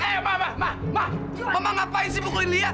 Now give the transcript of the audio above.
eh ma ma ma ma ma ngapain sih bukulin lia